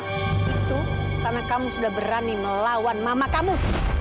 itu karena kamu sudah berani melawan mama kamu